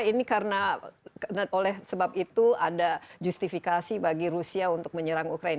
ini karena oleh sebab itu ada justifikasi bagi rusia untuk menyerang ukraine